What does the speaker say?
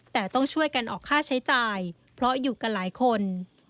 แต่ต้องช่วยกันออกค่าใช้จ่ายเพราะอยู่กันหลายคน